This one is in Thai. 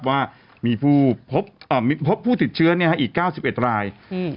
ว่ามีผู้พบอ่ามีพบผู้ติดเชื้อเนี้ยฮะอีกเก้าสิบเอ็ดรายอืม